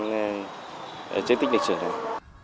cái chế tích địch trở được